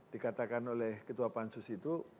dikatakan oleh ketua pansus itu